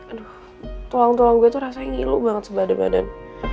aduh tulang tulang gue tuh rasanya ngilu banget sebad badan